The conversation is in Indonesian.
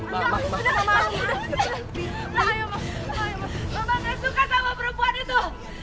bapak gak suka sama perempuan itu